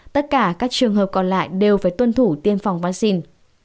tất cả các trường hợp còn lại đều phải tuân thủ tiêm phòng vaccine